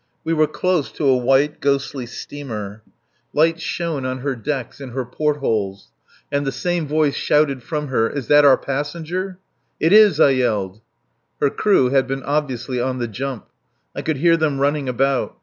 We were close to a white ghostly steamer. Lights shone on her decks, in her portholes. And the same voice shouted from her: "Is that our passenger?" "It is," I yelled. Her crew had been obviously on the jump. I could hear them running about.